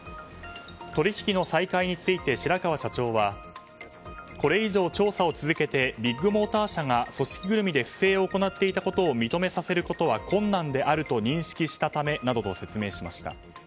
取引の再開について、白川社長はこれ以上調査を続けてビッグモーター社が組織ぐるみで不正を行っていたことを認めさせることは困難であると認識したためなどと説明しました。